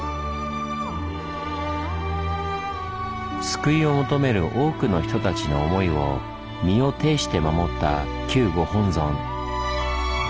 救いを求める多くの人たちの思いを身をていして守った旧ご本尊。